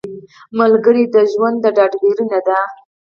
ملګری د ژوند ډاډګیرنه ده